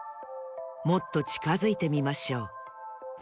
もっとちかづいてみましょう。